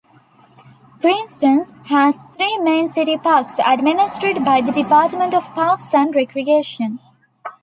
Princeton has three main city parks, administered by the Department of Parks and Recreation.